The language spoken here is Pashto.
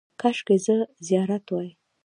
– کاشکې زه زیارت وای.